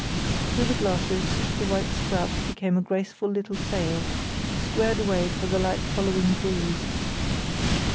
Through the glasses the white scrap became a graceful little sail, squared away for the light following breeze.